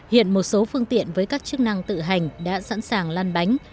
hiện một số phương tiện với các chức năng tự hành đã sẵn sàng lan bánh